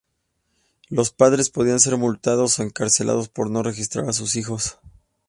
Los padres podían ser multados o encarcelados por no registrar a sus hijos.